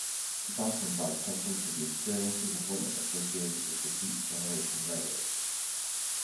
Johnson brought attention to the experiences of women associated with the Beat Generation writers.